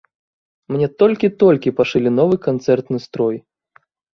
Мне толькі-толькі пашылі новы канцэртны строй.